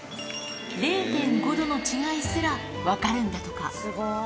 ０．５度の違いすら分かるんだとか。